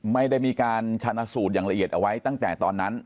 ไม่ได้มีการชนะสูตรอย่างละเอียดเอาไว้ตั้งแต่ตอนนั้น